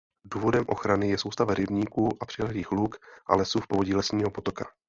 Důvodem ochrany je soustava rybníků a přilehlých luk a lesů v povodí Lesního potoka.